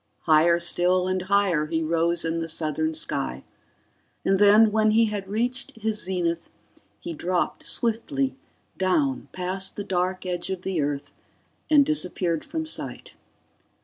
Higher still and higher he rose in the southern sky, and then, when he had reached his zenith, he dropped swiftly down past the dark edge of the Earth and disappeared from sight.